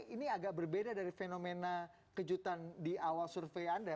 ini agak berbeda dari fenomena kejutan di awal survei anda